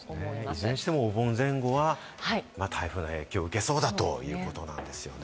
いずれにしてもお盆前後は台風の影響を受けそうだということなんですよね。